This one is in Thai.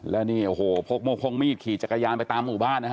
แล้วนี่โอ้โหพกโม่งพงมีดขี่จักรยานไปตามหมู่บ้านนะฮะ